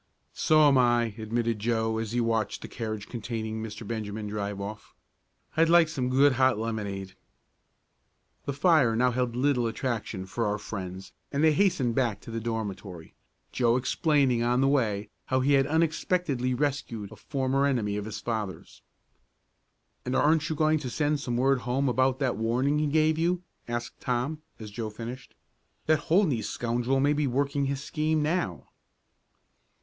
"So am I," admitted Joe, as he watched the carriage containing Mr. Benjamin drive off. "I'd like some good hot lemonade." The fire now held little attraction for our friends and they hastened back to the dormitory, Joe explaining on the way how he had unexpectedly rescued a former enemy of his father's. "And aren't you going to send some word home about that warning he gave you?" asked Tom, as Joe finished. "That Holdney scoundrel may be working his scheme now."